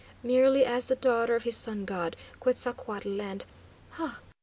"Merely as the daughter of his Sun God, Quetzalcoatl, and ha!"